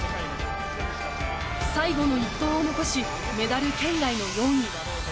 最後の１投を残しメダル圏内の４位。